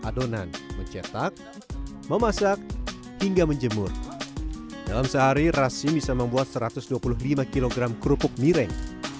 adonan mencetak memasak hingga menjemur dalam sehari rasim bisa membuat satu ratus dua puluh lima kg kerupuk mireng